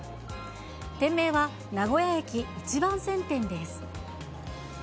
店名は、名古屋駅１番線店です。